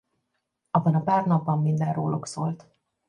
Abban a pár napban minden róluk szólt.